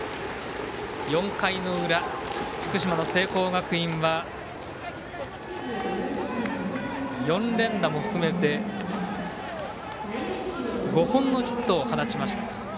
４回の裏、福島の聖光学院は４連打も含めて５本のヒットを放ちました。